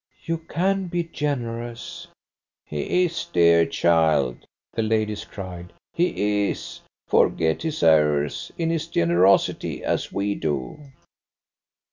"You can be generous." "He is, dear child!" the ladies cried. "He is. Forget his errors, in his generosity, as we do."